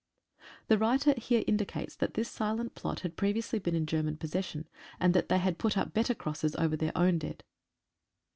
(The writer here indicates that this silent plot had previously been in German possession, and that they had put up better crosses over their own dead.)